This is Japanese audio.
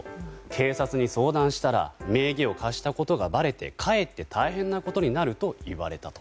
警察に相談したら名義を貸したことがばれてかえって大変なことになると言われたと。